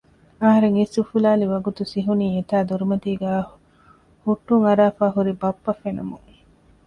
އަހަރެން އިސް އުފުލާލިވަގުތު ސިހުނީ އެތާ ދޮރުމަތީގައި ހުއްޓުން އަރާފައި ހުރި ބައްޕަ ފެނުމުން